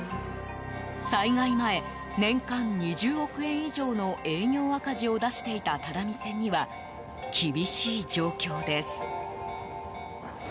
災害前、年間２０億円以上の営業赤字を出していた只見線には厳しい状況です。